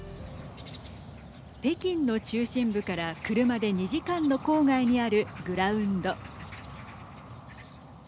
北京の中心部から車で２時間の郊外にあるグラウンド。